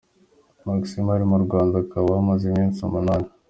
Maximo ari mu Rwanda akaba ahamaze iminsi umunani.